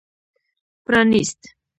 پرانېست.